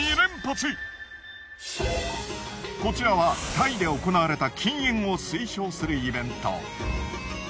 こちらはタイで行われた禁煙を推奨するイベント。